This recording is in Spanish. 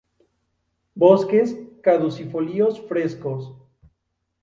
Bosques caducifolios frescos.